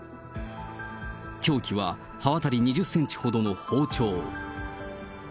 凶器は刃渡り２０センチほどの包丁。